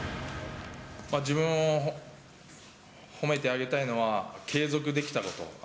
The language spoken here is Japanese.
自分を褒めてあげたいのは、継続できたこと。